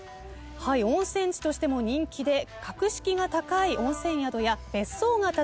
温泉地としても人気で格式が高い温泉宿や別荘が立ち並ぶ